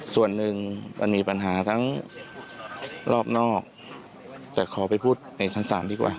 ส่วนหนึ่งมันมีปัญหาทั้งรอบนอกแต่ขอไปพูดในชั้นศาลดีกว่า